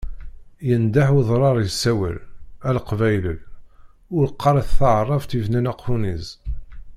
Yendeh udrar yessawel, a Leqbayel ur qqaret, taɛrabt yebnan aqunniz.